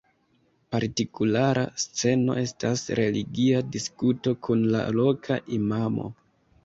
Partikulara sceno estas religia diskuto kun la loka imamo.